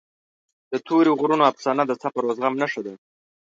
د تورې غرونو افسانه د صبر او زغم نښه ده.